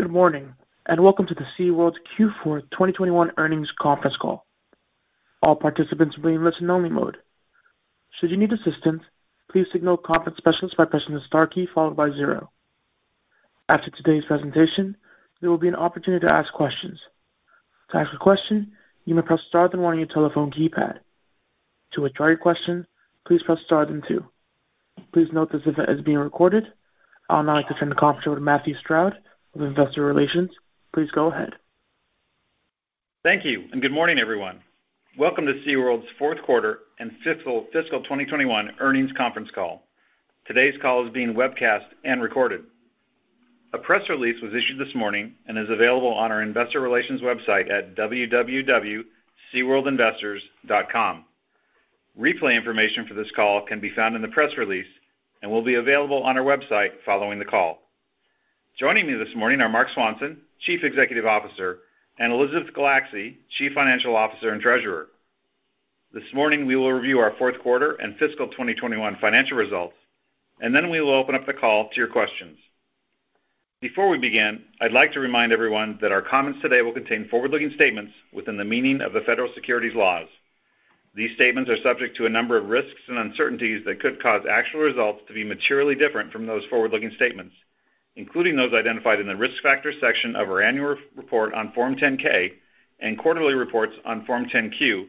Good morning, and welcome to the SeaWorld's Q4 2021 earnings conference call. All participants will be in listen-only mode. Should you need assistance, please signal a conference specialist by pressing the star key followed by zero. After today's presentation, there will be an opportunity to ask questions. To ask a question, you may press star then one on your telephone keypad. To withdraw your question, please press star then two. Please note this event is being recorded. I would now like to turn the conference over to Matthew Stroud of Investor Relations. Please go ahead. Thank you, and good morning, everyone. Welcome to SeaWorld's fourth quarter and fiscal 2021 earnings conference call. Today's call is being webcast and recorded. A press release was issued this morning and is available on our investor relations website at www.seaworldinvestors.com. Replay information for this call can be found in the press release and will be available on our website following the call. Joining me this morning are Marc Swanson, Chief Executive Officer, and Elizabeth Gulacsy, Chief Financial Officer and Treasurer. This morning, we will review our fourth quarter and fiscal 2021 financial results, and then we will open up the call to your questions. Before we begin, I'd like to remind everyone that our comments today will contain forward-looking statements within the meaning of the federal securities laws. These statements are subject to a number of risks and uncertainties that could cause actual results to be materially different from those forward-looking statements, including those identified in the Risk Factors section of our annual report on Form 10-K and quarterly reports on Form 10-Q,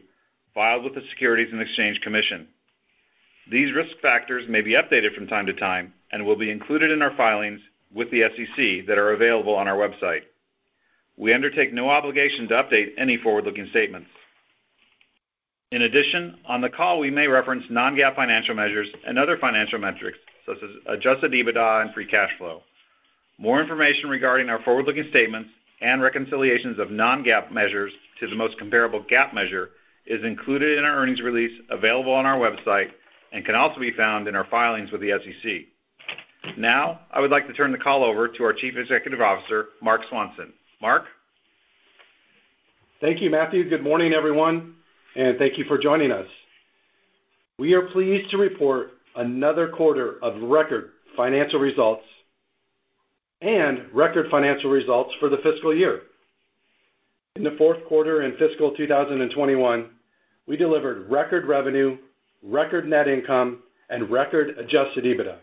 filed with the Securities and Exchange Commission. These risk factors may be updated from time to time and will be included in our filings with the SEC that are available on our website. We undertake no obligation to update any forward-looking statements. In addition, on the call, we may reference non-GAAP financial measures and other financial metrics such as adjusted EBITDA and free cash flow. More information regarding our forward-looking statements and reconciliations of non-GAAP measures to the most comparable GAAP measure is included in our earnings release available on our website and can also be found in our filings with the SEC. Now, I would like to turn the call over to our Chief Executive Officer, Marc Swanson. Marc? Thank you, Matthew. Good morning, everyone, and thank you for joining us. We are pleased to report another quarter of record financial results and record financial results for the fiscal year. In the fourth quarter in fiscal 2021, we delivered record revenue, record net income, and record adjusted EBITDA.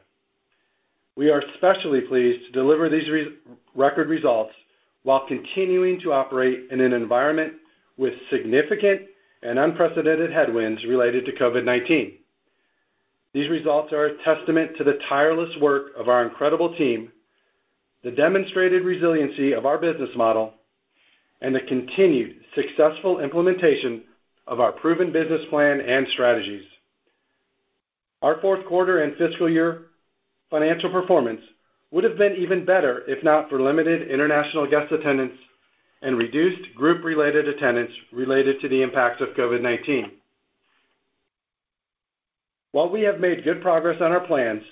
We are especially pleased to deliver these record results while continuing to operate in an environment with significant and unprecedented headwinds related to COVID-19. These results are a testament to the tireless work of our incredible team, the demonstrated resiliency of our business model, and the continued successful implementation of our proven business plan and strategies. Our fourth quarter and fiscal year financial performance would have been even better if not for limited international guest attendance and reduced group-related attendance related to the impacts of COVID-19. While we have made good progress on our plans,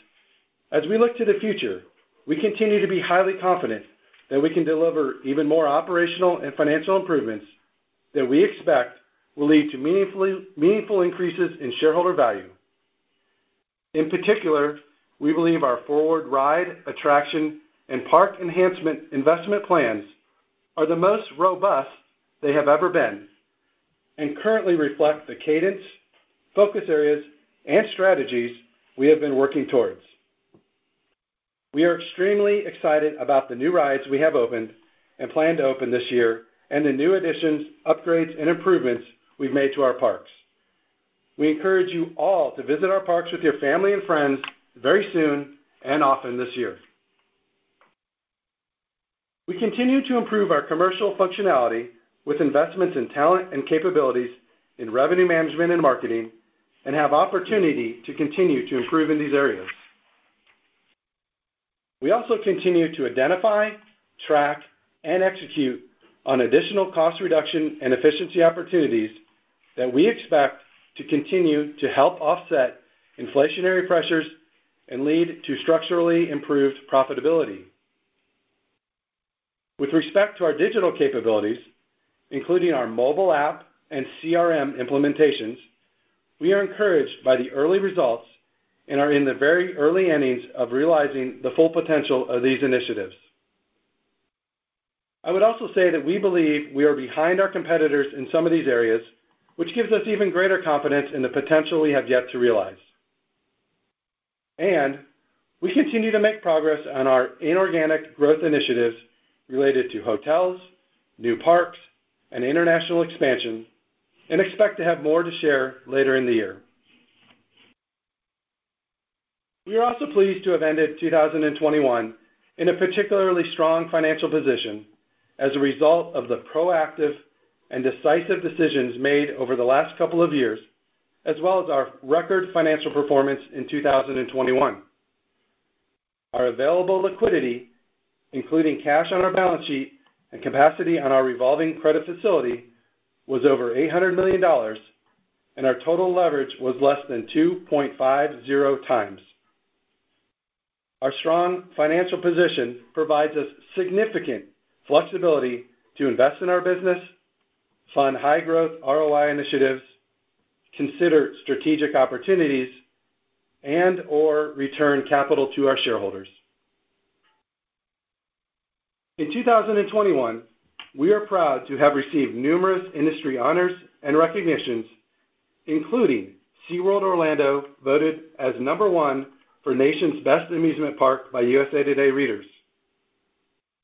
as we look to the future, we continue to be highly confident that we can deliver even more operational and financial improvements that we expect will lead to meaningful increases in shareholder value. In particular, we believe our forward ride, attraction, and park enhancement investment plans are the most robust they have ever been and currently reflect the cadence, focus areas, and strategies we have been working towards. We are extremely excited about the new rides we have opened and plan to open this year and the new additions, upgrades, and improvements we've made to our parks. We encourage you all to visit our parks with your family and friends very soon and often this year. We continue to improve our commercial functionality with investments in talent and capabilities in revenue management and marketing and have opportunity to continue to improve in these areas. We also continue to identify, track, and execute on additional cost reduction and efficiency opportunities that we expect to continue to help offset inflationary pressures and lead to structurally improved profitability. With respect to our digital capabilities, including our mobile app and CRM implementations, we are encouraged by the early results and are in the very early innings of realizing the full potential of these initiatives. I would also say that we believe we are behind our competitors in some of these areas, which gives us even greater confidence in the potential we have yet to realize. We continue to make progress on our inorganic growth initiatives related to hotels, new parks, and international expansion, and expect to have more to share later in the year. We are also pleased to have ended 2021 in a particularly strong financial position as a result of the proactive and decisive decisions made over the last couple of years, as well as our record financial performance in 2021. Our available liquidity, including cash on our balance sheet and capacity on our revolving credit facility, was over $800 million, and our total leverage was less than 2.50x. Our strong financial position provides us significant flexibility to invest in our business, fund high-growth ROI initiatives, consider strategic opportunities and/or return capital to our shareholders. In 2021, we are proud to have received numerous industry honors and recognitions, including SeaWorld Orlando, voted as No. 1 for Nation's Best Amusement Park by USA Today readers.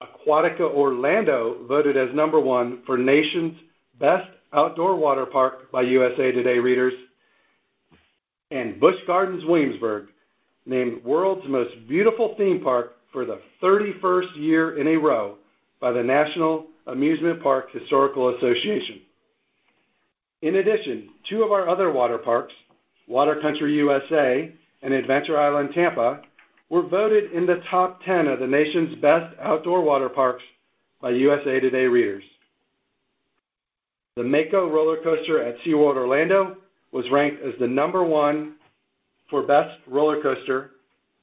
Aquatica Orlando voted as No. 1 for Nation's Best Outdoor Water Park by USA Today readers, and Busch Gardens Williamsburg named World's Most Beautiful Theme Park for the 31st year in a row by the National Amusement Park Historical Association. In addition, two of our other water parks, Water Country USA and Adventure Island Tampa, were voted in the top 10 of the nation's best outdoor water parks by USA Today readers. The Mako roller coaster at SeaWorld Orlando was ranked as the No. 1 for Best Roller Coaster,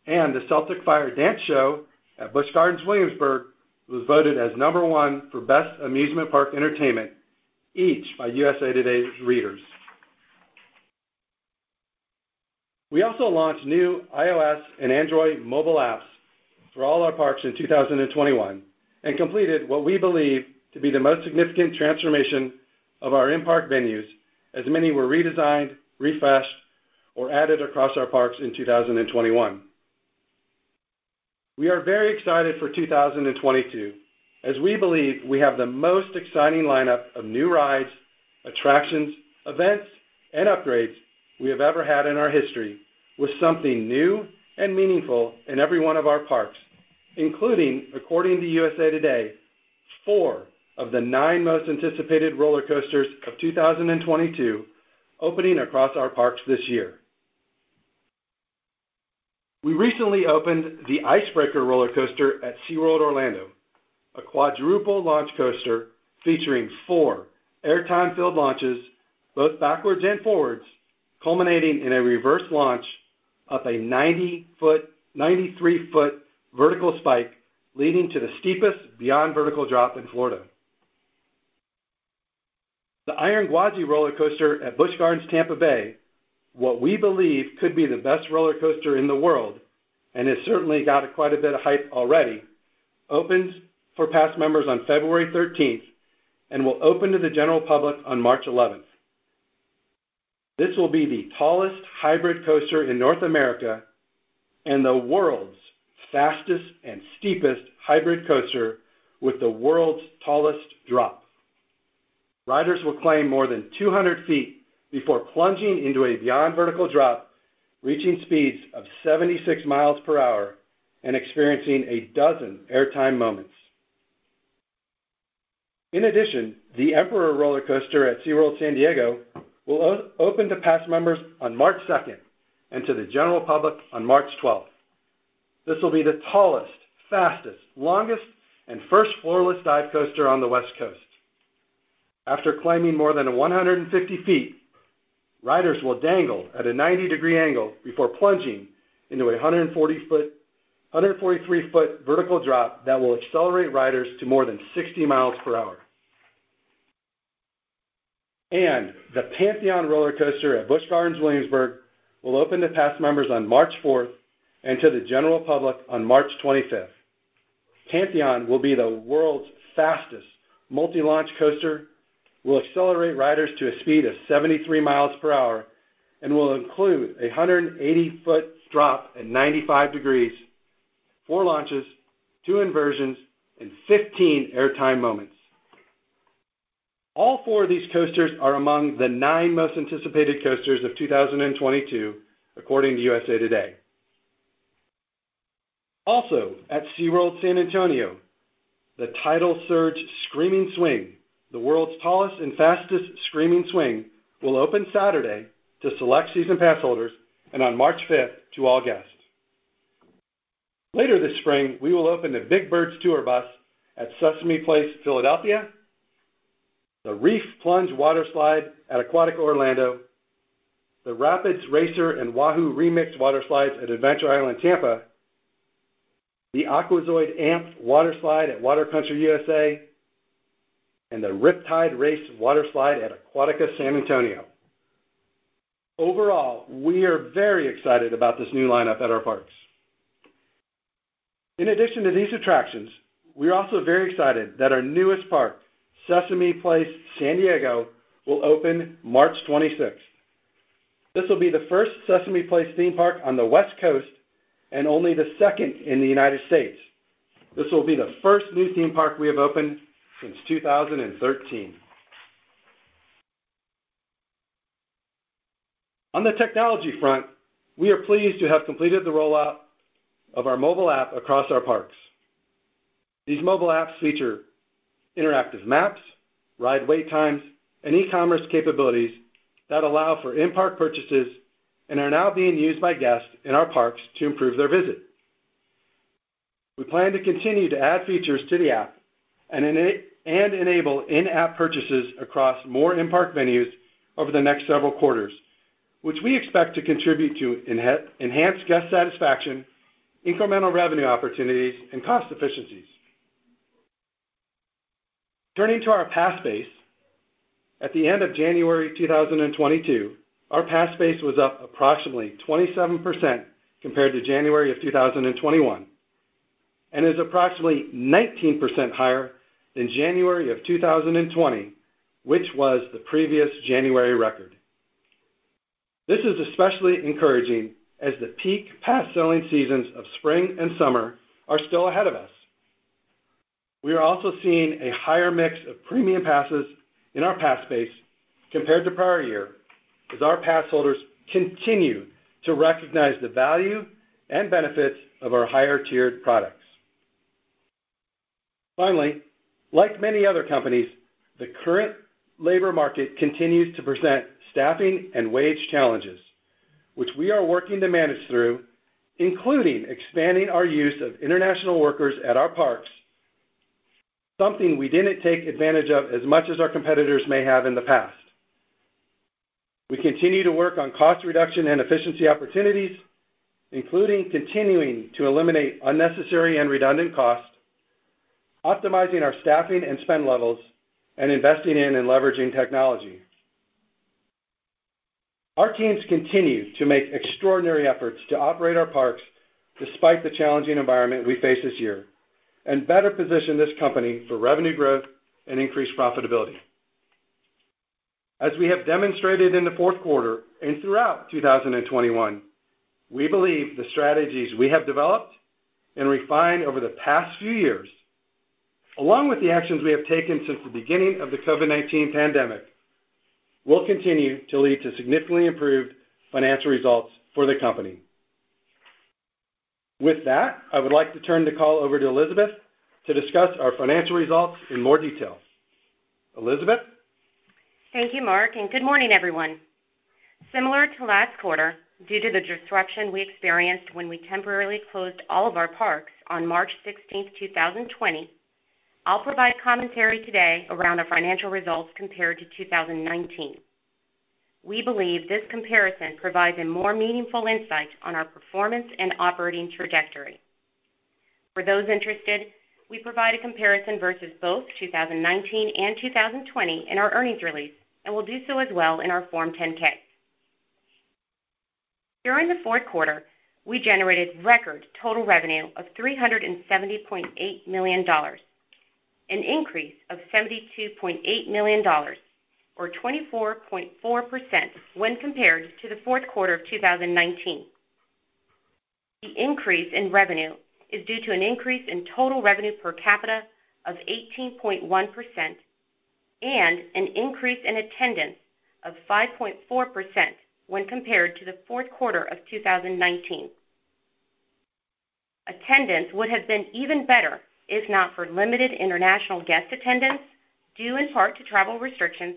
and the Celtic Fyre dance show at Busch Gardens Williamsburg was voted as No. 1 for Best Amusement Park Entertainment, each by USA Today's readers. We also launched new iOS and Android mobile apps for all our parks in 2021 and completed what we believe to be the most significant transformation of our in-park venues as many were redesigned, refreshed, or added across our parks in 2021. We are very excited for 2022, as we believe we have the most exciting lineup of new rides, attractions, events, and upgrades we have ever had in our history with something new and meaningful in every one of our parks, including, according to USA Today, four of the nine most anticipated roller coasters of 2022 opening across our parks this year. We recently opened the Ice Breaker roller coaster at SeaWorld Orlando, a quadruple launch coaster featuring four air time-filled launches, both backwards and forwards, culminating in a reverse launch up a 90-foot, 93-foot vertical spike, leading to the steepest, beyond vertical drop in Florida. The Iron Gwazi roller coaster at Busch Gardens Tampa Bay, what we believe could be the best roller coaster in the world, and it certainly got quite a bit of hype already, opened for pass members on February 13 and will open to the general public on March 11. This will be the tallest hybrid coaster in North America and the world's fastest and steepest hybrid coaster with the world's tallest drop. Riders will climb more than 200 feet before plunging into a beyond vertical drop, reaching speeds of 76 miles per hour and experiencing a dozen air time moments. In addition, the Emperor roller coaster at SeaWorld San Diego will open to pass members on March 2 and to the general public on March 12. This will be the tallest, fastest, longest, and first floor-less dive coaster on the West Coast. After climbing more than 150 feet, riders will dangle at a 90-degree angle before plunging into a 143-foot vertical drop that will accelerate riders to more than 60 miles per hour. The Pantheon roller coaster at Busch Gardens Williamsburg will open to pass members on March 4 and to the general public on March 25. Pantheon will be the world's fastest multi-launch coaster, will accelerate riders to a speed of 73 miles per hour, and will include a 180-foot drop at 95 degrees, four launches, two inversions, and 15 air time moments. All four of these coasters are among the nine most anticipated coasters of 2022, according to USA Today. At SeaWorld San Antonio, the Tidal Surge Screamin' Swing, the world's tallest and fastest Screamin' Swing, will open Saturday to select season pass holders and on March fifth to all guests. Later this spring, we will open the Big Bird's Tour Bus at Sesame Place Philadelphia, the Reef Plunge water slide at Aquatica Orlando, the Rapids Racer and Wahoo Remix water slides at Adventure Island Tampa, the Aquazoid Amped water slide at Water Country USA, and the Riptide Race water slide at Aquatica San Antonio. Overall, we are very excited about this new lineup at our parks. In addition to these attractions, we're also very excited that our newest park, Sesame Place San Diego, will open March twenty-sixth. This will be the first Sesame Place theme park on the West Coast and only the second in the United States. This will be the first new theme park we have opened since 2013. On the technology front, we are pleased to have completed the rollout of our mobile app across our parks. These mobile apps feature interactive maps, ride wait times, and e-commerce capabilities that allow for in-park purchases and are now being used by guests in our parks to improve their visit. We plan to continue to add features to the app and enable in-app purchases across more in-park venues over the next several quarters, which we expect to contribute to enhanced guest satisfaction, incremental revenue opportunities, and cost efficiencies. Turning to our pass base. At the end of January 2022, our pass base was up approximately 27% compared to January 2021, and is approximately 19% higher than January 2020, which was the previous January record. This is especially encouraging as the peak pass-selling seasons of spring and summer are still ahead of us. We are also seeing a higher mix of premium passes in our pass base compared to prior year as our pass holders continue to recognize the value and benefits of our higher-tiered products. Finally, like many other companies, the current labor market continues to present staffing and wage challenges, which we are working to manage through, including expanding our use of international workers at our parks, something we didn't take advantage of as much as our competitors may have in the past. We continue to work on cost reduction and efficiency opportunities, including continuing to eliminate unnecessary and redundant costs, optimizing our staffing and spend levels, and investing in and leveraging technology. Our teams continue to make extraordinary efforts to operate our parks despite the challenging environment we face this year and better position this company for revenue growth and increased profitability. As we have demonstrated in the fourth quarter and throughout 2021, we believe the strategies we have developed and refined over the past few years, along with the actions we have taken since the beginning of the COVID-19 pandemic, will continue to lead to significantly improved financial results for the company. With that, I would like to turn the call over to Elizabeth to discuss our financial results in more detail. Elizabeth? Thank you, Marc, and good morning, everyone. Similar to last quarter, due to the disruption we experienced when we temporarily closed all of our parks on March 16, 2020, I'll provide commentary today around our financial results compared to 2019. We believe this comparison provides a more meaningful insight on our performance and operating trajectory. For those interested, we provide a comparison versus both 2019 and 2020 in our earnings release, and will do so as well in our Form 10-K. During the fourth quarter, we generated record total revenue of $370.8 million, an increase of $72.8 million or 24.4% when compared to the fourth quarter of 2019. The increase in revenue is due to an increase in total revenue per capita of 18.1% and an increase in attendance of 5.4% when compared to the fourth quarter of 2019. Attendance would have been even better if not for limited international guest attendance, due in part to travel restrictions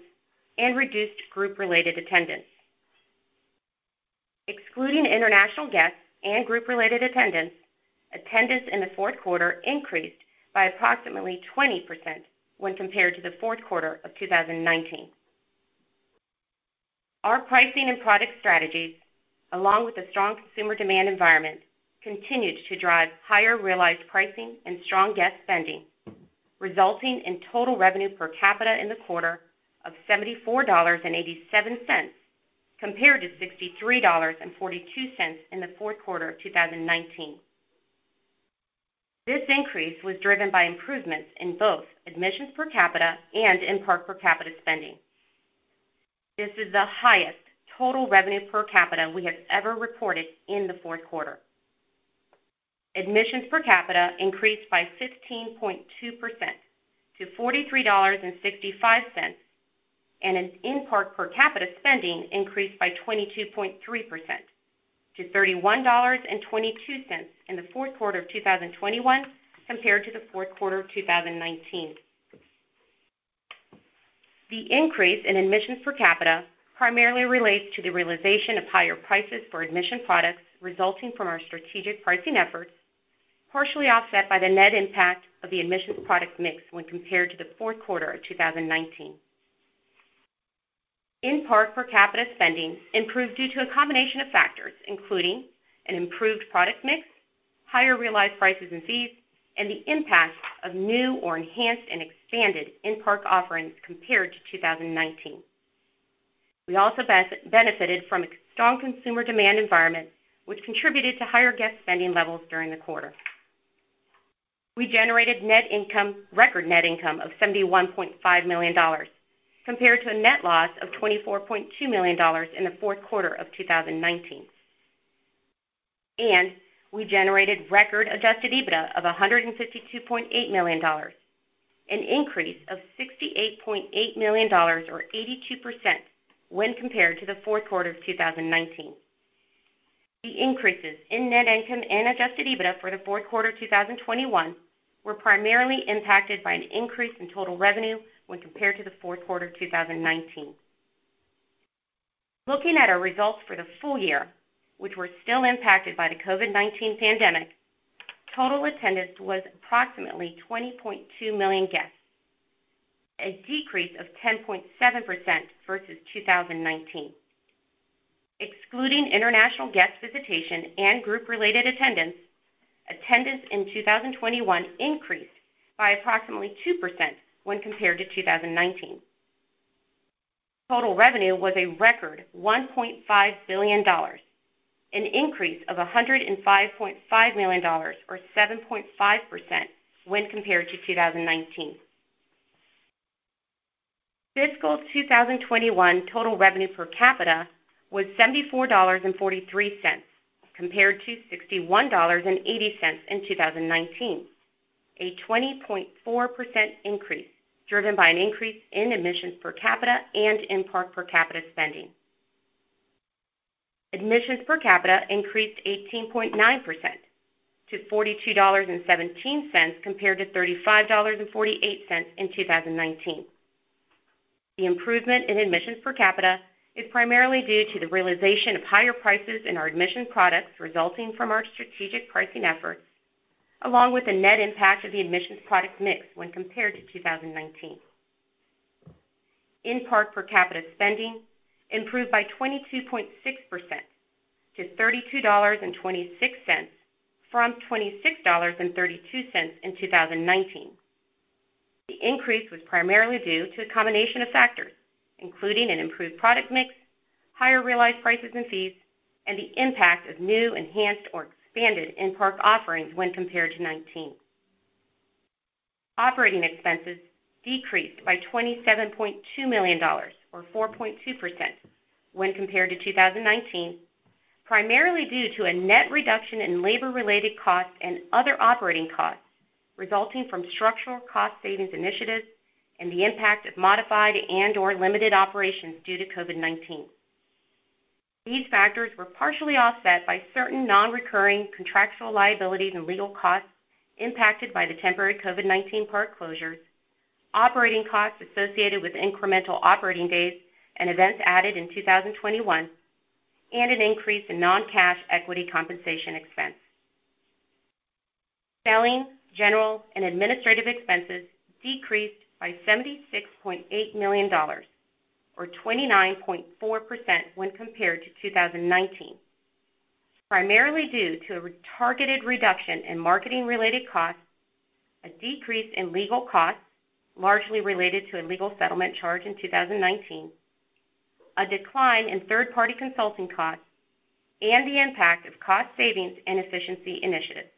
and reduced group-related attendance. Excluding international guests and group-related attendance in the fourth quarter increased by approximately 20% when compared to the fourth quarter of 2019. Our pricing and product strategies, along with the strong consumer demand environment, continued to drive higher realized pricing and strong guest spending, resulting in total revenue per capita in the quarter of $74.87, compared to $63.42 in the fourth quarter of 2019. This increase was driven by improvements in both admissions per capita and in-park per capita spending. This is the highest total revenue per capita we have ever reported in the fourth quarter. Admissions per capita increased by 15.2% to $43.55, and in-park per capita spending increased by 22.3% to $31.22 in the fourth quarter of 2021 compared to the fourth quarter of 2019. The increase in admissions per capita primarily relates to the realization of higher prices for admission products resulting from our strategic pricing efforts, partially offset by the net impact of the admissions product mix when compared to the fourth quarter of 2019. In-park per capita spending improved due to a combination of factors, including an improved product mix, higher realized prices and fees, and the impact of new or enhanced and expanded in-park offerings compared to 2019. We also benefited from a strong consumer demand environment, which contributed to higher guest spending levels during the quarter. We generated net income, record net income of $71.5 million compared to a net loss of $24.2 million in the fourth quarter of 2019. We generated record adjusted EBITDA of $152.8 million, an increase of $68.8 million or 82% when compared to the fourth quarter of 2019. The increases in net income and adjusted EBITDA for the fourth quarter of 2021 were primarily impacted by an increase in total revenue when compared to the fourth quarter of 2019. Looking at our results for the full year, which were still impacted by the COVID-19 pandemic, total attendance was approximately 20.2 million guests, a decrease of 10.7% versus 2019. Excluding international guest visitation and group-related attendance in 2021 increased by approximately 2% when compared to 2019. Total revenue was a record $1.5 billion, an increase of $105.5 million or 7.5% when compared to 2019. Fiscal 2021 total revenue per capita was $74.43 compared to $61.80 in 2019, a 20.4% increase, driven by an increase in admissions per capita and in-park per capita spending. Admissions per capita increased 18.9% to $42.17 compared to $35.48 in 2019. The improvement in admissions per capita is primarily due to the realization of higher prices in our admission products resulting from our strategic pricing efforts, along with the net impact of the admissions product mix when compared to 2019. In-park per capita spending improved by 22.6% to $32.26 from $26.32 in 2019. The increase was primarily due to a combination of factors, including an improved product mix, higher realized prices and fees, and the impact of new, enhanced or expanded in-park offerings when compared to 2019. Operating expenses decreased by $27.2 million or 4.2% when compared to 2019, primarily due to a net reduction in labor related costs and other operating costs resulting from structural cost savings initiatives and the impact of modified and or limited operations due to COVID-19. These factors were partially offset by certain non-recurring contractual liabilities and legal costs impacted by the temporary COVID-19 park closures, operating costs associated with incremental operating days and events added in 2021, and an increase in non-cash equity compensation expense. Selling, general and administrative expenses decreased by $76.8 million, or 29.4% when compared to 2019, primarily due to a targeted reduction in marketing-related costs, a decrease in legal costs largely related to a legal settlement charge in 2019, a decline in third party consulting costs, and the impact of cost savings and efficiency initiatives.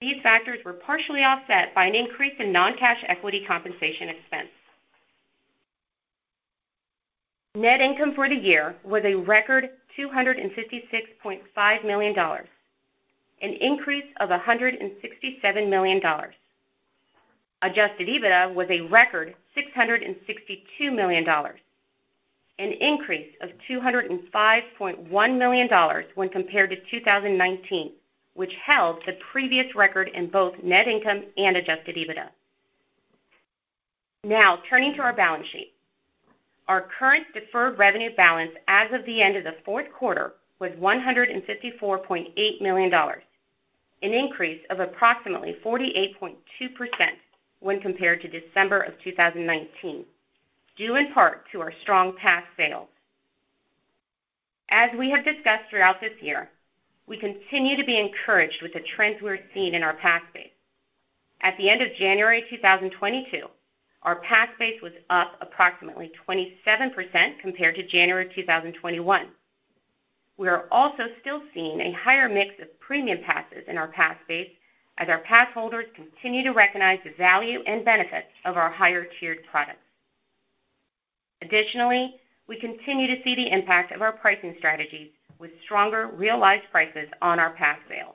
These factors were partially offset by an increase in non-cash equity compensation expense. Net income for the year was a record $256.5 million, an increase of $167 million. Adjusted EBITDA was a record $662 million, an increase of $205.1 million when compared to 2019, which held the previous record in both net income and adjusted EBITDA. Now turning to our balance sheet. Our current deferred revenue balance as of the end of the fourth quarter was $154.8 million, an increase of approximately 48.2% when compared to December 2019, due in part to our strong pass sales. We have discussed throughout this year, we continue to be encouraged with the trends we're seeing in our pass base. At the end of January 2022, our pass base was up approximately 27% compared to January 2021. We are also still seeing a higher mix of premium passes in our pass base as our pass holders continue to recognize the value and benefits of our higher tiered products. Additionally, we continue to see the impact of our pricing strategies with stronger realized prices on our pass sales.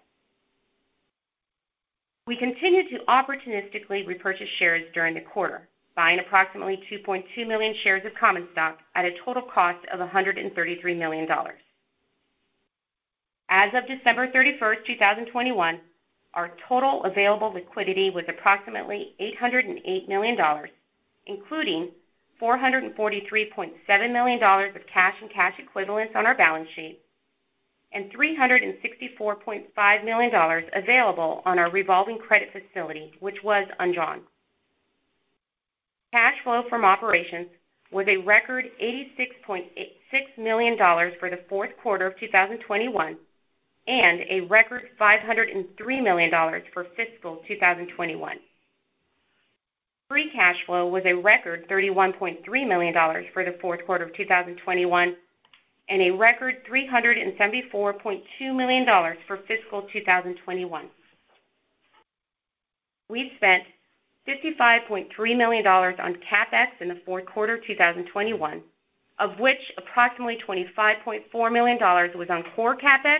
We continued to opportunistically repurchase shares during the quarter, buying approximately 2.2 million shares of common stock at a total cost of $133 million. As of December 31, 2021, our total available liquidity was approximately $808 million, including $443.7 million of cash and cash equivalents on our balance sheet, and $364.5 million available on our revolving credit facility, which was undrawn. Cash flow from operations was a record $86.8 million for the fourth quarter of 2021, and a record $503 million for fiscal 2021. Free cash flow was a record $31.3 million for the fourth quarter of 2021, and a record $374.2 million for fiscal 2021. We spent $55.3 million on CapEx in the fourth quarter of 2021, of which approximately $25.4 million was on core CapEx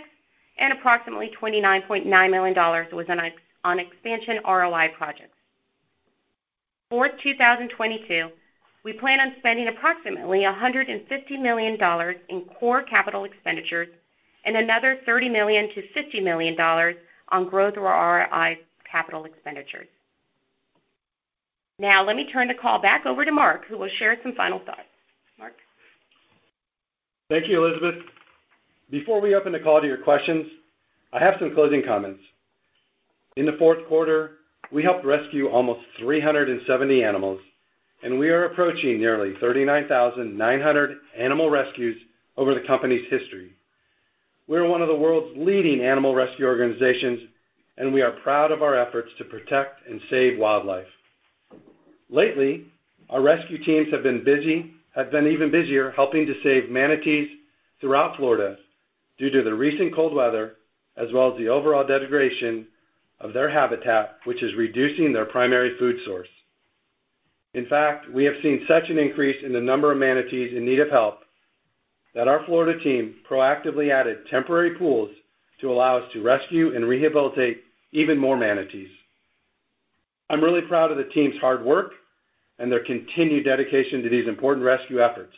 and approximately $29.9 million was on expansion ROI projects. For 2022, we plan on spending approximately $150 million in core capital expenditures and another $30 million-$50 million on growth or ROI capital expenditures. Now let me turn the call back over to Marc, who will share some final thoughts. Marc? Thank you, Elizabeth. Before we open the call to your questions, I have some closing comments. In the fourth quarter, we helped rescue almost 370 animals, and we are approaching nearly 39,900 animal rescues over the company's history. We are one of the world's leading animal rescue organizations, and we are proud of our efforts to protect and save wildlife. Lately, our rescue teams have been even busier helping to save manatees throughout Florida due to the recent cold weather as well as the overall degradation of their habitat, which is reducing their primary food source. In fact, we have seen such an increase in the number of manatees in need of help that our Florida team proactively added temporary pools to allow us to rescue and rehabilitate even more manatees. I'm really proud of the team's hard work and their continued dedication to these important rescue efforts.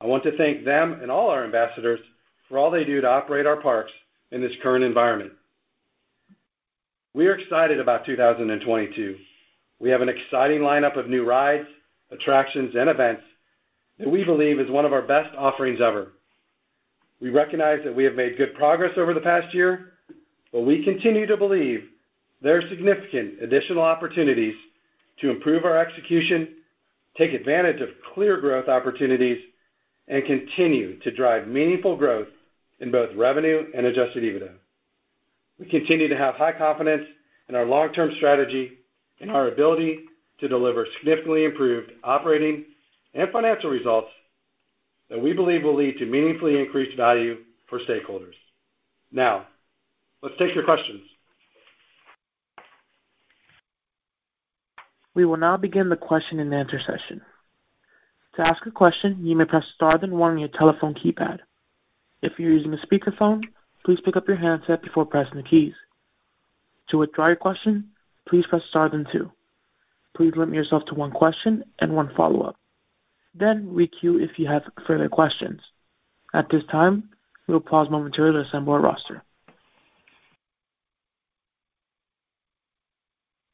I want to thank them and all our ambassadors for all they do to operate our parks in this current environment. We are excited about 2022. We have an exciting lineup of new rides, attractions, and events that we believe is one of our best offerings ever. We recognize that we have made good progress over the past year, but we continue to believe there are significant additional opportunities to improve our execution, take advantage of clear growth opportunities, and continue to drive meaningful growth in both revenue and adjusted EBITDA. We continue to have high confidence in our long-term strategy and our ability to deliver significantly improved operating and financial results that we believe will lead to meaningfully increased value for stakeholders. Now, let's take your questions. We will now begin the question-and-answer session. To ask a question, you may press star then one on your telephone keypad. If you're using a speakerphone, please pick up your handset before pressing the keys. To withdraw your question, please press star then two. Please limit yourself to one question and one follow-up. Then re-queue if you have further questions. At this time, we will pause momentarily to assemble our roster.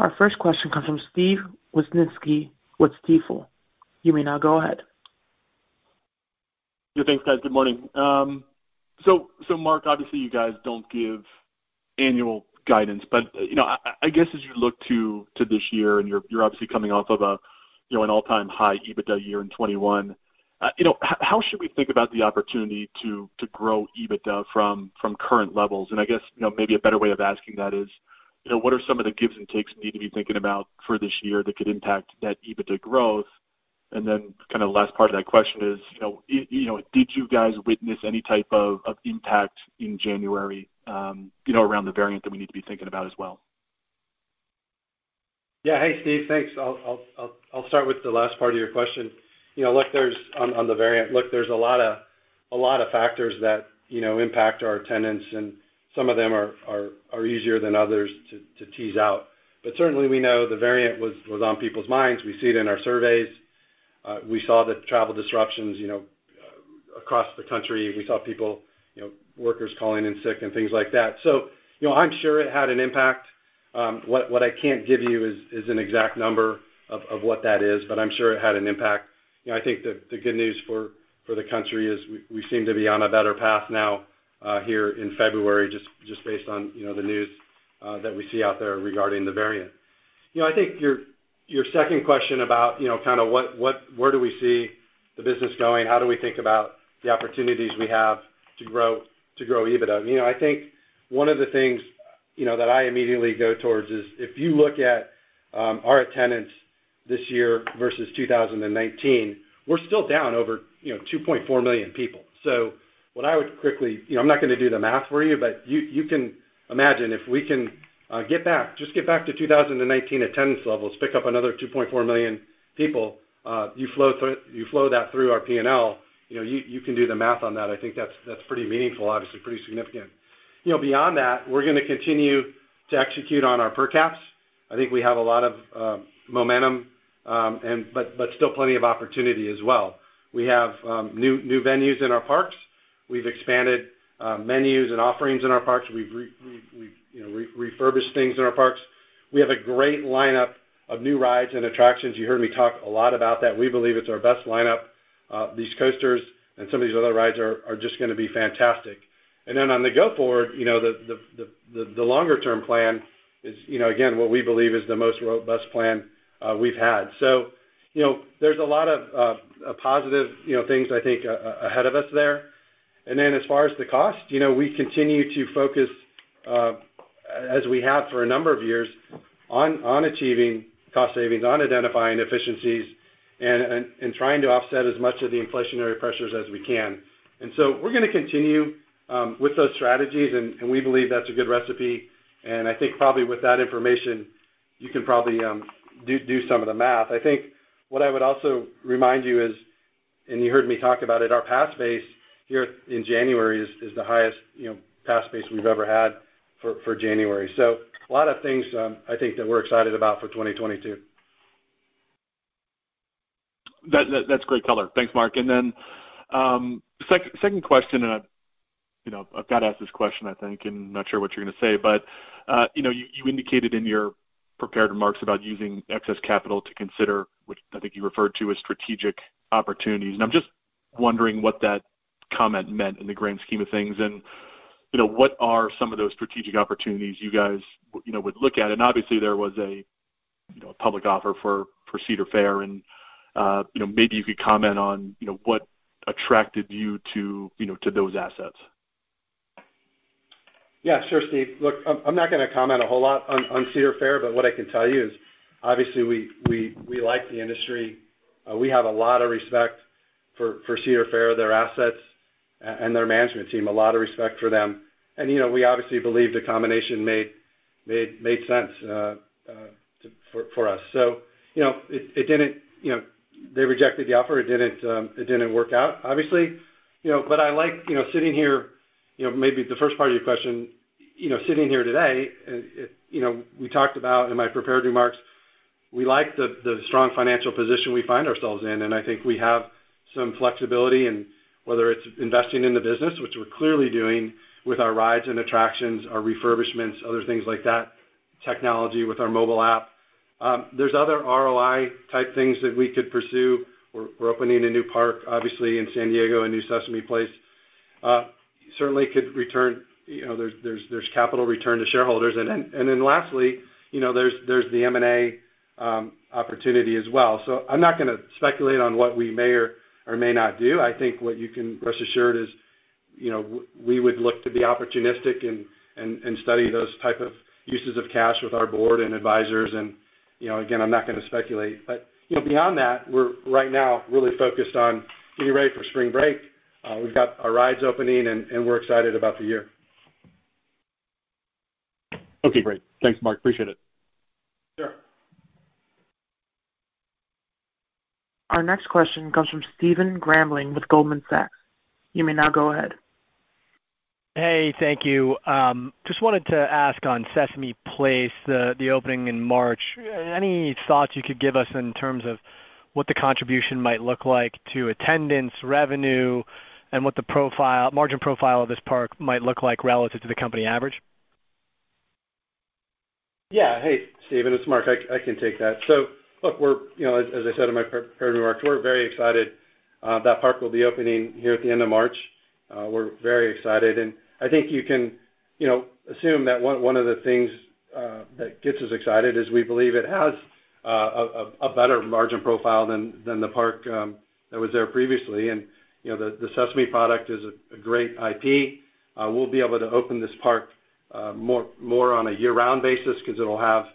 Our first question comes from Steve Wieczynski with Stifel. You may now go ahead. Yeah, thanks, guys. Good morning. So, Marc, obviously, you guys don't give annual guidance, but, you know, I guess, as you look to this year and you're obviously coming off of an all-time high EBITDA year in 2021, you know, how should we think about the opportunity to grow EBITDA from current levels? And I guess, you know, maybe a better way of asking that is, you know, what are some of the gives and takes we need to be thinking about for this year that could impact that EBITDA growth? And then kind of the last part of that question is, you know, you know what, did you guys witness any type of impact in January, you know, around the variant that we need to be thinking about as well? Hey, Steve. Thanks. I'll start with the last part of your question. You know, look, on the variant. Look, there's a lot of factors that you know impact our attendance, and some of them are easier than others to tease out. Certainly, we know the variant was on people's minds. We see it in our surveys. We saw the travel disruptions you know across the country. We saw people you know workers calling in sick and things like that. You know, I'm sure it had an impact. What I can't give you is an exact number of what that is, but I'm sure it had an impact. You know, I think the good news for the country is we seem to be on a better path now here in February just based on you know the news that we see out there regarding the variant. You know, I think your second question about you know where do we see the business going? How do we think about the opportunities we have to grow EBITDA? You know, I think one of the things you know that I immediately go towards is if you look at our attendance this year versus 2019, we're still down over you know 2.4 million people. What I would quickly You know, I'm not gonna do the math for you, but you can imagine if we can just get back to 2019 attendance levels, pick up another 2.4 million people, you flow that through our P&L. You know, you can do the math on that. I think that's pretty meaningful, obviously pretty significant. You know, beyond that, we're gonna continue to execute on our per caps. I think we have a lot of momentum, but still plenty of opportunity as well. We have new venues in our parks. We've expanded menus and offerings in our parks. We've refurbished things in our parks. We have a great lineup of new rides and attractions. You heard me talk a lot about that. We believe it's our best lineup. These coasters and some of these other rides are just gonna be fantastic. Then on the go-forward, you know, the longer-term plan is, you know, again, what we believe is the most robust plan we've had. You know, there's a lot of positive, you know, things I think ahead of us there. Then as far as the cost, you know, we continue to focus as we have for a number of years on achieving cost savings, on identifying efficiencies, and trying to offset as much of the inflationary pressures as we can. We're gonna continue with those strategies, and we believe that's a good recipe. I think probably with that information, you can probably do some of the math. I think what I would also remind you is, and you heard me talk about it, our pass base here in January is the highest, you know, pass base we've ever had for January. A lot of things, I think that we're excited about for 2022. That's great color. Thanks, Marc. Second question, you know, I've gotta ask this question, I think, and I'm not sure what you're gonna say, but, you know, you indicated in your prepared remarks about using excess capital to consider, which I think you referred to as strategic opportunities. I'm just wondering what that I meant in the grand scheme of things, you know, what are some of those strategic opportunities you guys you know would look at? Obviously there was a, you know, public offer for Cedar Fair, you know, maybe you could comment on, you know, what attracted you to, you know, to those assets. Yeah, sure, Steve. Look, I'm not gonna comment a whole lot on Cedar Fair, but what I can tell you is obviously we like the industry. We have a lot of respect for Cedar Fair, their assets and their management team, a lot of respect for them. You know, we obviously believe the combination made sense for us. You know, it didn't, they rejected the offer. It didn't work out, obviously, you know. I like, you know, sitting here, you know, maybe the first part of your question, you know, sitting here today, you know, we talked about in my prepared remarks, we like the strong financial position we find ourselves in, and I think we have some flexibility in whether it's investing in the business, which we're clearly doing with our rides and attractions, our refurbishments, other things like that, technology with our mobile app. There's other ROI-type things that we could pursue. We're opening a new park, obviously, in San Diego, a new Sesame Place. Certainly could return, you know, there's capital return to shareholders. And then lastly, you know, there's the M&A opportunity as well. I'm not gonna speculate on what we may or may not do. I think what you can rest assured is, you know, we would look to be opportunistic and study those type of uses of cash with our board and advisors and, you know, again, I'm not gonna speculate. You know, beyond that, we're right now really focused on getting ready for spring break. We've got our rides opening and we're excited about the year. Okay, great. Thanks, Marc. Appreciate it. Sure. Our next question comes from Stephen Grambling with Goldman Sachs. You may now go ahead. Hey, thank you. Just wanted to ask on Sesame Place, the opening in March. Any thoughts you could give us in terms of what the contribution might look like to attendance, revenue, and what the margin profile of this park might look like relative to the company average? Yeah. Hey, Stephen, it's Marc. I can take that. Look, we're, you know, as I said in my prepared remarks, we're very excited that park will be opening here at the end of March. We're very excited and I think you can, you know, assume that one of the things that gets us excited is we believe it has a better margin profile than the park that was there previously. You know, the Sesame product is a great IP. We'll be able to open this park more on a year-round basis 'cause it'll have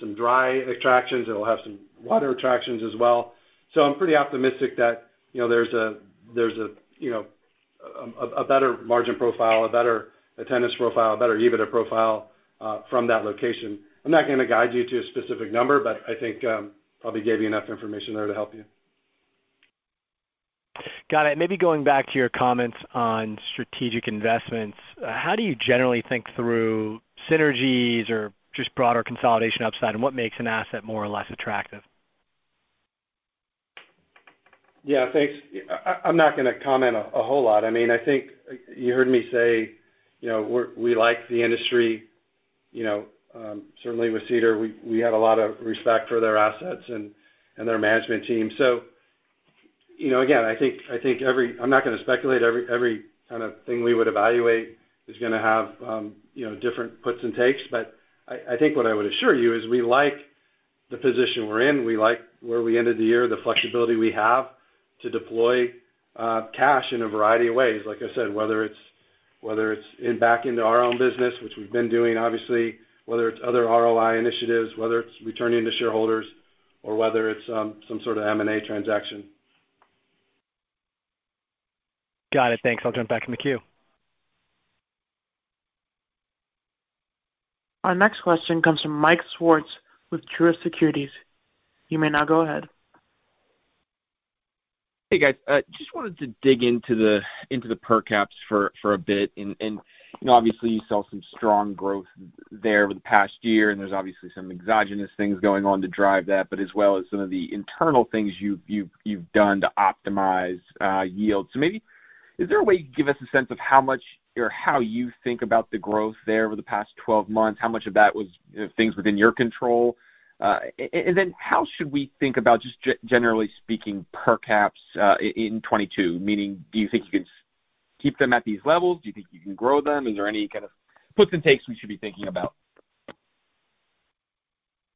some dry attractions. It'll have some water attractions as well. I'm pretty optimistic that, you know, there's a better margin profile, a better attendance profile, a better EBITDA profile from that location. I'm not gonna guide you to a specific number, but I think probably gave you enough information there to help you. Got it. Maybe going back to your comments on strategic investments. How do you generally think through synergies or just broader consolidation upside and what makes an asset more or less attractive? Yeah, thanks. I'm not gonna comment a whole lot. I mean, I think you heard me say, you know, we like the industry, you know. Certainly with Cedar, we had a lot of respect for their assets and their management team. You know, again, I think I'm not gonna speculate. Every kind of thing we would evaluate is gonna have, you know, different puts and takes. I think what I would assure you is we like the position we're in. We like where we ended the year, the flexibility we have to deploy cash in a variety of ways. Like I said, whether it's put back into our own business, which we've been doing, obviously, whether it's other ROI initiatives, whether it's returning to shareholders or whether it's some sort of M&A transaction. Got it. Thanks. I'll jump back in the queue. Our next question comes from Mike Swartz with Truist Securities. You may now go ahead. Hey, guys. Just wanted to dig into the per caps for a bit. You know, obviously you saw some strong growth there over the past year, and there's obviously some exogenous things going on to drive that, but as well as some of the internal things you've done to optimize yield. Maybe is there a way you could give us a sense of how much or how you think about the growth there over the past 12 months? How much of that was, you know, things within your control? And then how should we think about just generally speaking, per caps, in 2022? Meaning, do you think you can keep them at these levels? Do you think you can grow them? Is there any kind of puts and takes we should be thinking about?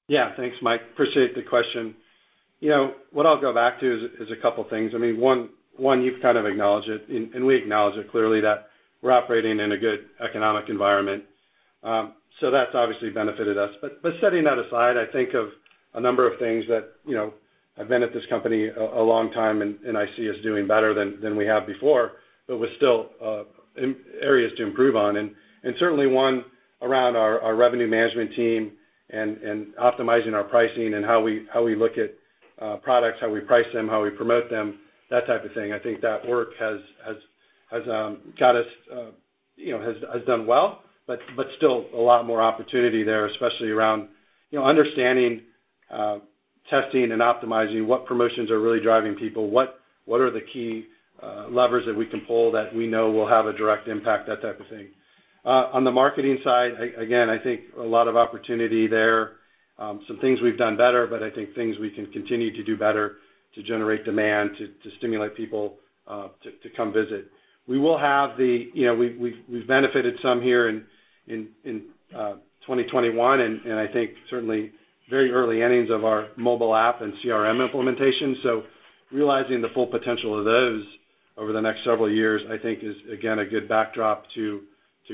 Yeah. Thanks, Mike. Appreciate the question. You know, what I'll go back to is a couple things. I mean, one, you've kind of acknowledged it and we acknowledge it clearly that we're operating in a good economic environment. So that's obviously benefited us. But setting that aside, I think of a number of things that, you know, I've been at this company a long time and I see us doing better than we have before, but with still areas to improve on and certainly one around our revenue management team and optimizing our pricing and how we look at products, how we price them, how we promote them, that type of thing. I think that work has got us, you know, has done well, but still a lot more opportunity there, especially around, you know, understanding, testing and optimizing what promotions are really driving people, what are the key levers that we can pull that we know will have a direct impact, that type of thing. On the marketing side, again, I think a lot of opportunity there. Some things we've done better, but I think things we can continue to do better to generate demand to stimulate people to come visit. You know, we've benefited some here in 2021, and I think certainly very early innings of our mobile app and CRM implementation. Realizing the full potential of those over the next several years, I think is, again, a good backdrop to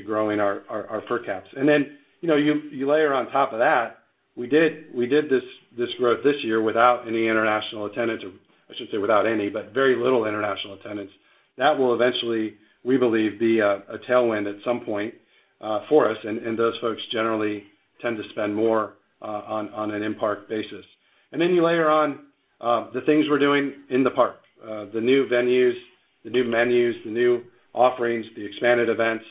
growing our per caps. Then, you know, you layer on top of that, we did this growth this year without any international attendance or, I shouldn't say without any, but very little international attendance. That will eventually, we believe, be a tailwind at some point for us. And those folks generally tend to spend more on an in-park basis. Then you layer on the things we're doing in the park, the new venues, the new menus, the new offerings, the expanded events,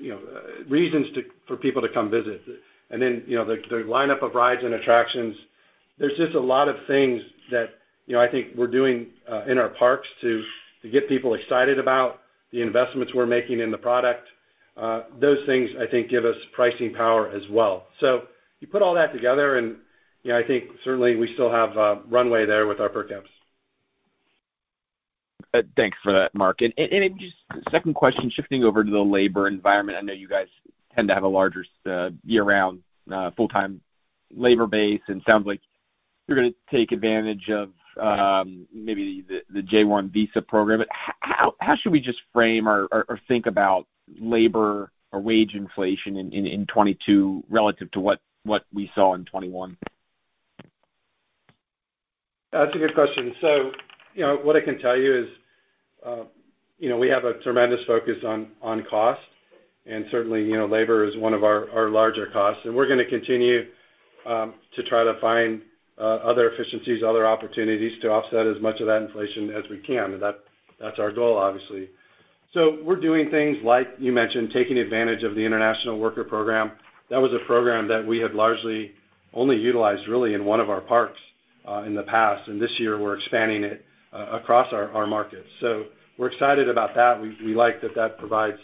you know, reasons for people to come visit. Then, you know, the lineup of rides and attractions. There's just a lot of things that, you know, I think we're doing in our parks to get people excited about the investments we're making in the product. Those things, I think, give us pricing power as well. You put all that together, and, you know, I think certainly we still have runway there with our per caps. Thanks for that, Marc. Just second question, shifting over to the labor environment. I know you guys tend to have a larger year-round full-time labor base, and sounds like you're gonna take advantage of maybe the J-1 visa program. How should we just frame or think about labor or wage inflation in 2022 relative to what we saw in 2021? That's a good question. You know, what I can tell you is, you know, we have a tremendous focus on cost. Certainly, you know, labor is one of our larger costs. We're gonna continue to try to find other efficiencies, other opportunities to offset as much of that inflation as we can. That's our goal, obviously. We're doing things like you mentioned, taking advantage of the international worker program. That was a program that we had largely only utilized really in one of our parks in the past, and this year we're expanding it across our markets. We're excited about that. We like that that provides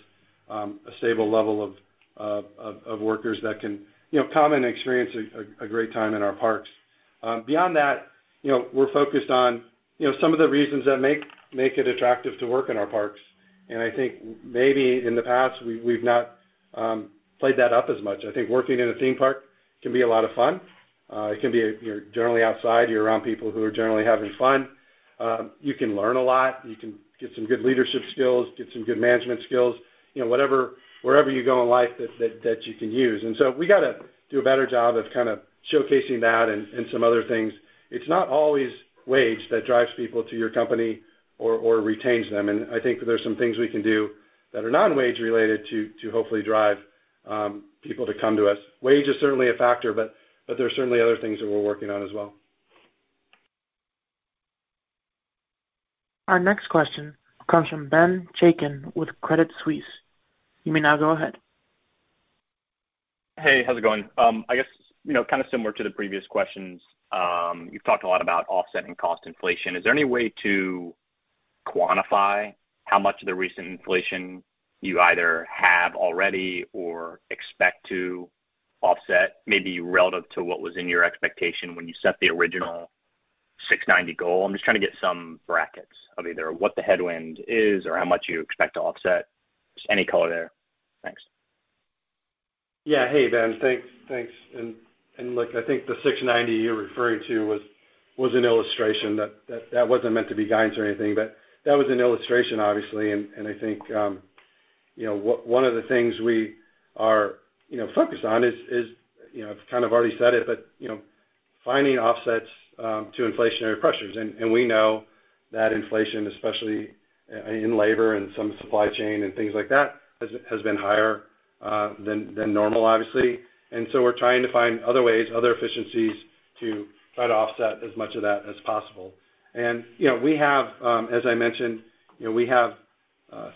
a stable level of workers that can, you know, come and experience a great time in our parks. Beyond that, you know, we're focused on, you know, some of the reasons that make it attractive to work in our parks. I think maybe in the past, we've not played that up as much. I think working in a theme park can be a lot of fun. It can be. You're generally outside, you're around people who are generally having fun. You can learn a lot. You can get some good leadership skills, get some good management skills, you know, wherever you go in life that you can use. We gotta do a better job of kind of showcasing that and some other things. It's not always wage that drives people to your company or retains them. I think there's some things we can do that are non-wage related to hopefully drive people to come to us. Wage is certainly a factor, but there are certainly other things that we're working on as well. Our next question comes from Ben Chaiken with Credit Suisse. You may now go ahead. Hey, how's it going? I guess, you know, kind of similar to the previous questions, you've talked a lot about offsetting cost inflation. Is there any way to quantify how much of the recent inflation you either have already or expect to offset, maybe relative to what was in your expectation when you set the original 690 goal? I'm just trying to get some brackets of either what the headwind is or how much you expect to offset. Just any color there. Thanks. Yeah. Hey, Ben. Thanks. Look, I think the $690 you're referring to was an illustration. That wasn't meant to be guidance or anything. That was an illustration, obviously. I think, you know, one of the things we are, you know, focused on is, you know, I've kind of already said it, but, you know, finding offsets to inflationary pressures. We know that inflation, especially in labor and some supply chain and things like that has been higher than normal, obviously. We're trying to find other ways, other efficiencies to try to offset as much of that as possible. You know, we have, as I mentioned, you know, we have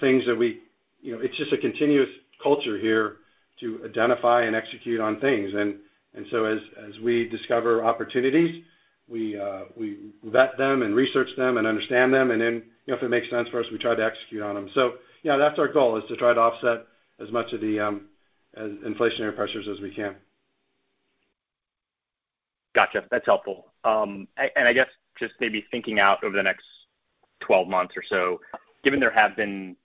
things that we. You know, it's just a continuous culture here to identify and execute on things. As we discover opportunities, we vet them and research them and understand them, and then, you know, if it makes sense for us, we try to execute on them. You know, that's our goal is to try to offset as much of the inflationary pressures as we can. Gotcha. That's helpful. I guess just maybe thinking out over the next twelve months or so, given there have been,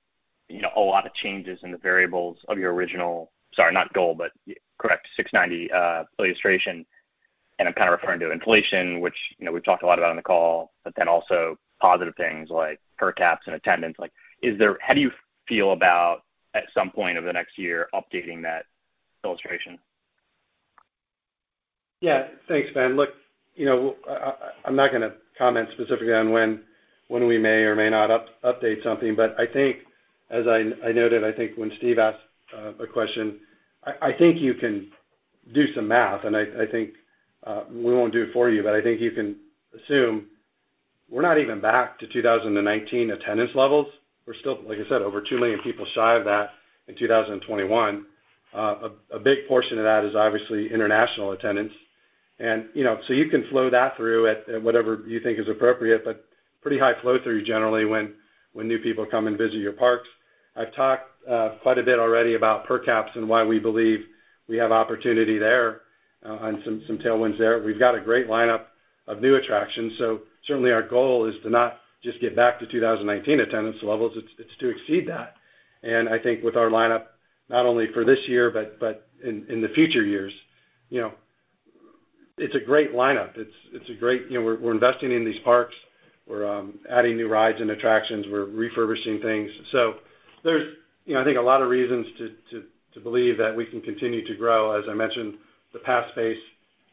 you know, a lot of changes in the variables of your original, sorry, not goal, but correct $690 illustration, and I'm kind of referring to inflation, which, you know, we've talked a lot about on the call, but then also positive things like per caps and attendance, like is there—how do you feel about, at some point over the next year, updating that illustration? Yeah. Thanks, Ben. Look, you know, I'm not gonna comment specifically on when we may or may not update something. But I think as I noted, I think when Steve asked a question, I think you can do some math, and I think we won't do it for you, but I think you can assume we're not even back to 2019 attendance levels. We're still, like I said, over 2 million people shy of that in 2021. A big portion of that is obviously international attendance. You know, you can flow that through at whatever you think is appropriate, but pretty high flow through generally when new people come and visit your parks. I've talked quite a bit already about per caps and why we believe we have opportunity there, and some tailwinds there. We've got a great lineup of new attractions. Certainly our goal is to not just get back to 2019 attendance levels, it's to exceed that. I think with our lineup, not only for this year but in the future years, you know, it's a great lineup. It's a great lineup. You know, we're investing in these parks. We're adding new rides and attractions. We're refurbishing things. There's, you know, I think a lot of reasons to believe that we can continue to grow. As I mentioned, the pass base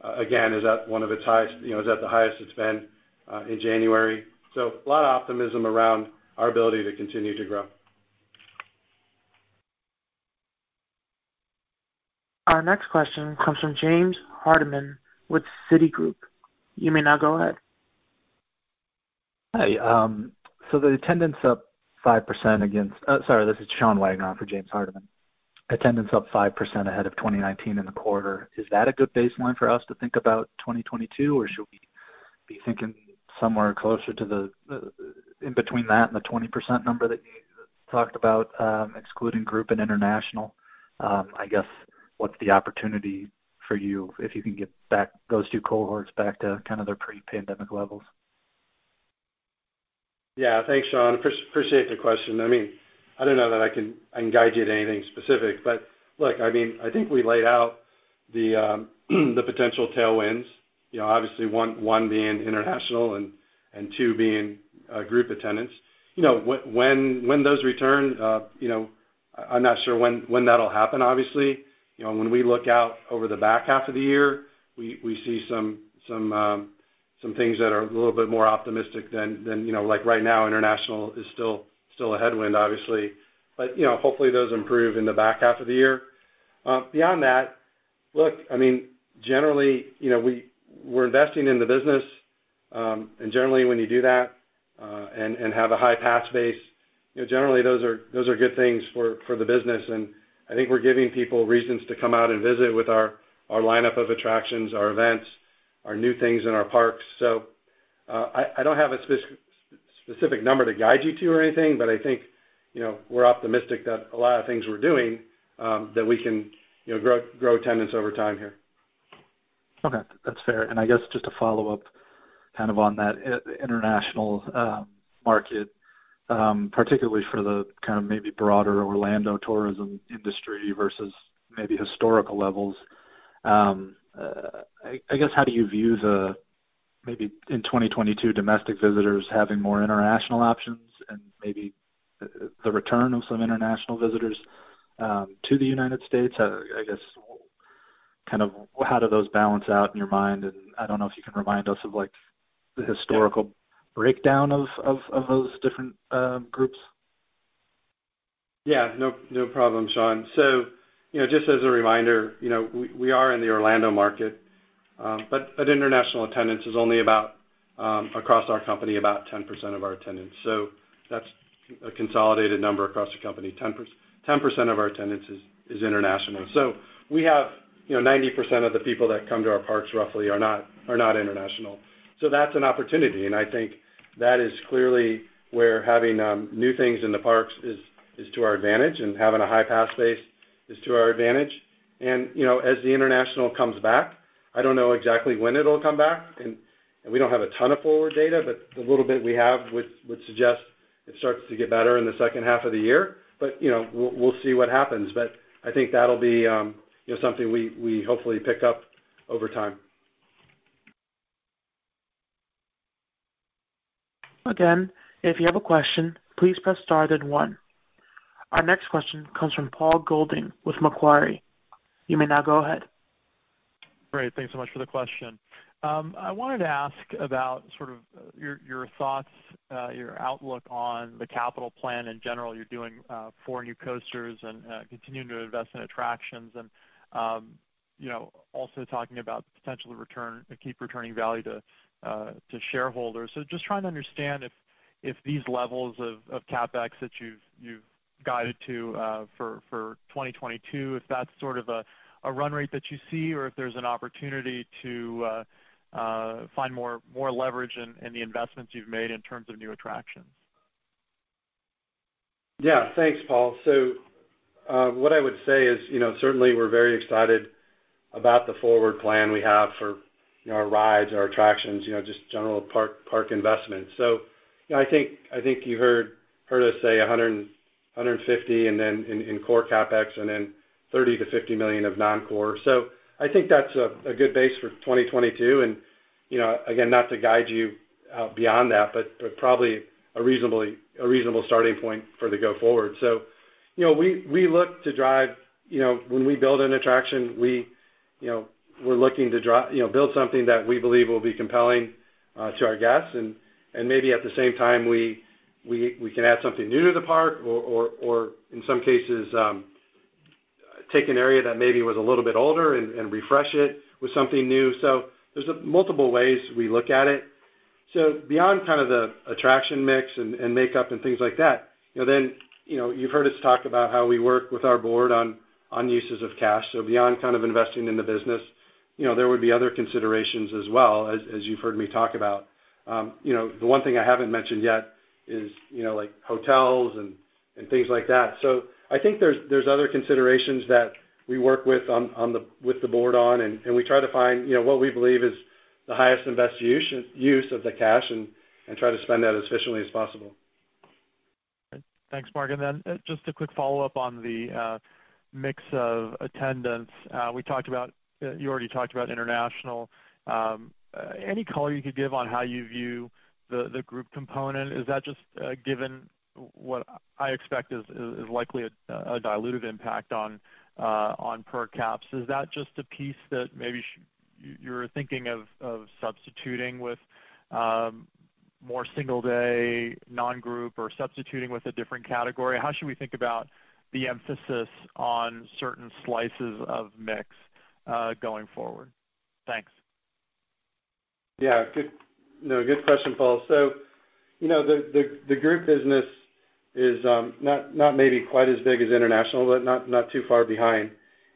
again is at the highest it's been in January. A lot of optimism around our ability to continue to grow. Our next question comes from James Hardiman with Citigroup. You may now go ahead. Hi. Sorry, this is Sean Wagner for James Hardiman. Attendance up 5% ahead of 2019 in the quarter. Is that a good baseline for us to think about 2022? Or should we be thinking somewhere closer to the in between that and the 20% number that you talked about, excluding group and international? I guess what's the opportunity for you if you can get back those two cohorts back to kind of their pre-pandemic levels? Yeah. Thanks, Sean. Appreciate the question. I mean, I don't know that I can guide you to anything specific. Look, I mean, I think we laid out the potential tailwinds. You know, obviously one being international and two being group attendance. You know, when those return, you know, I'm not sure when that'll happen, obviously. You know, when we look out over the back half of the year, we see some things that are a little bit more optimistic than like right now, international is still a headwind obviously. You know, hopefully those improve in the back half of the year. Beyond that, look, I mean, generally, you know, we're investing in the business. Generally when you do that, and have a high pass base, you know, generally those are good things for the business. I think we're giving people reasons to come out and visit with our lineup of attractions, our events, our new things in our parks. I don't have a specific number to guide you to or anything, but I think, you know, we're optimistic that a lot of things we're doing, that we can, you know, grow attendance over time here. Okay. That's fair. I guess just to follow up kind of on that international market, particularly for the kind of maybe broader Orlando tourism industry versus maybe historical levels. I guess, how do you view the, maybe in 2022 domestic visitors having more international options and maybe the return of some international visitors to the United States? I guess kind of how do those balance out in your mind? I don't know if you can remind us of like the historical breakdown of those different groups. Yeah. No problem, Sean. You know, just as a reminder, you know, we are in the Orlando market, but international attendance is only about across our company, about 10% of our attendance. That's a consolidated number across the company. 10% of our attendance is international. We have, you know, 90% of the people that come to our parks roughly are not international. That's an opportunity. I think that is clearly where having new things in the parks is to our advantage and having a high pass base is to our advantage. You know, as the international comes back, I don't know exactly when it'll come back, and we don't have a ton of forward data, but the little bit we have would suggest it starts to get better in the second half of the year. You know, we'll see what happens. I think that'll be, you know, something we hopefully pick up over time. Again, if you have a question, please press star then one. Our next question comes from Paul Golding with Macquarie. You may now go ahead. Great. Thanks so much for the question. I wanted to ask about sort of your thoughts, your outlook on the capital plan in general. You're doing 4 new coasters and continuing to invest in attractions and, you know, also talking about potential return and keep returning value to shareholders. Just trying to understand if these levels of CapEx that you've guided to for 2022, if that's sort of a run rate that you see, or if there's an opportunity to find more leverage in the investments you've made in terms of new attractions. Yeah. Thanks, Paul. What I would say is, you know, certainly we're very excited about the forward plan we have for, you know, our rides, our attractions, you know, just general park investment. You know, I think you heard us say $150 million in core CapEx and then $30 million-$50 million of non-core. I think that's a good base for 2022. You know, again, not to guide you beyond that, but probably a reasonable starting point for the go forward. You know, we look to drive, you know, when we build an attraction, you know, we're looking to build something that we believe will be compelling to our guests. Maybe at the same time, we can add something new to the park or in some cases, take an area that maybe was a little bit older and refresh it with something new. There's multiple ways we look at it. Beyond kind of the attraction mix and makeup and things like that, you know, then, you've heard us talk about how we work with our board on uses of cash. Beyond kind of investing in the business, you know, there would be other considerations as well, as you've heard me talk about. You know, the one thing I haven't mentioned yet is, you know, like hotels and things like that. I think there's other considerations that we work with the board on, and we try to find, you know, what we believe is the highest and best use of the cash and try to spend that as efficiently as possible. Thanks, Marc. Just a quick follow-up on the mix of attendance. You already talked about international. Any color you could give on how you view the group component? Is that just given what I expect is likely a diluted impact on per caps? Is that just a piece that maybe you are thinking of substituting with more single day non-group or substituting with a different category? How should we think about the emphasis on certain slices of mix going forward? Thanks. Good question, Paul. You know, the group business is not quite as big as international, but not too far behind.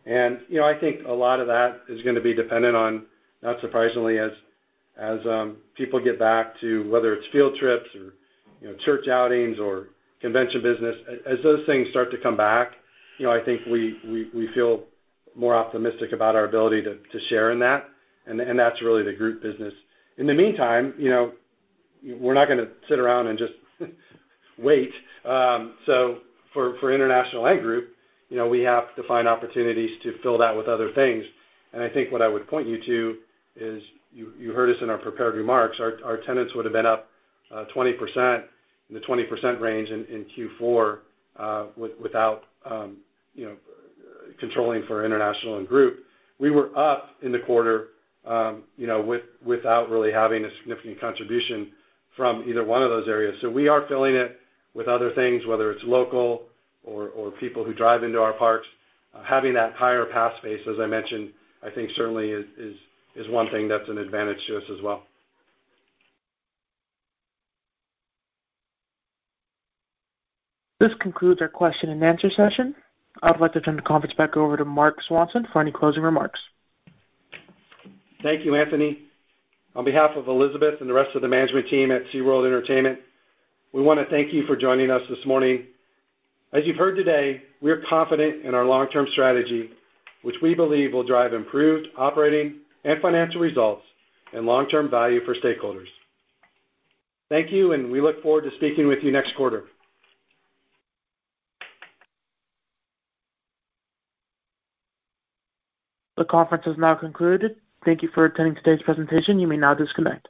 You know, I think a lot of that is gonna be dependent on, not surprisingly, as people get back to whether it's field trips or, you know, church outings or convention business. As those things start to come back, you know, I think we feel more optimistic about our ability to share in that, and that's really the group business. In the meantime, you know, we're not gonna sit around and just wait. For international and group, you know, we have to find opportunities to fill that with other things. I think what I would point you to is you heard us in our prepared remarks. Our attendance would have been up 20% in the 20% range in Q4 without, you know, controlling for international and group. We were up in the quarter, you know, without really having a significant contribution from either one of those areas. So we are filling it with other things, whether it's local or people who drive into our parks. Having that higher pass base, as I mentioned, I think certainly is one thing that's an advantage to us as well. This concludes our question-and-answer session. I'd like to turn the conference back over to Marc Swanson for any closing remarks. Thank you, Anthony. On behalf of Elizabeth and the rest of the management team at SeaWorld Entertainment, we wanna thank you for joining us this morning. As you've heard today, we are confident in our long-term strategy, which we believe will drive improved operating and financial results and long-term value for stakeholders. Thank you, and we look forward to speaking with you next quarter. The conference has now concluded. Thank you for attending today's presentation. You may now disconnect.